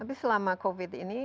tapi selama covid ini